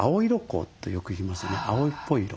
青っぽい色。